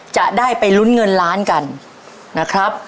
จะได้ไปลุ้นเงินล้านกันนะครับ